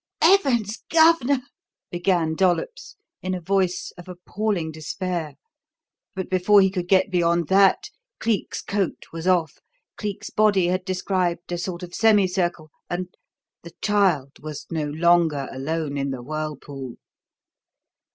"Heavens, Gov'nor!" began Dollops in a voice of appalling despair; but before he could get beyond that, Cleek's coat was off, Cleek's body had described a sort of semi circle, and the child was no longer alone in the whirlpool!